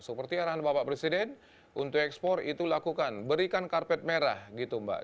seperti arahan bapak presiden untuk ekspor itu lakukan berikan karpet merah gitu mbak